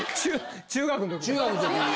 中学の時。